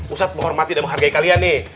ustadz menghormati dan menghargai kalian nih